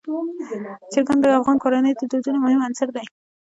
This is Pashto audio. چرګان د افغان کورنیو د دودونو مهم عنصر دی.